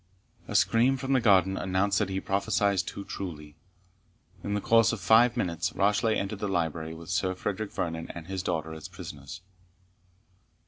A scream from the garden announced that he prophesied too truly. In the course of five minutes, Rashleigh entered the library with Sir Frederick Vernon and his daughter as prisoners.